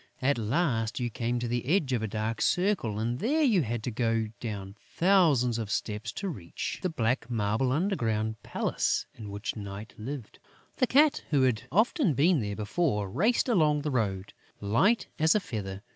At last, you came to the edge of a dark circle; and there you had to go down thousands of steps to reach the black marble underground palace in which Night lived. The Cat, who had often been there before, raced along the road, light as a feather.